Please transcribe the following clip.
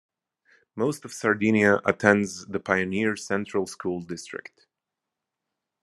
Most of Sardinia attends the Pioneer Central School District.